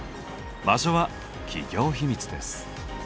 場所は企業秘密です。